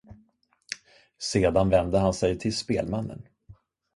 Sedan vände han sig till spelmannen.